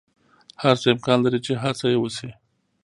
هر څه امکان لری چی هڅه یی وشی